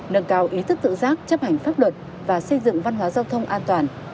nâng cao ý thức tự giác chấp hành pháp luật và xây dựng văn hóa giao thông an toàn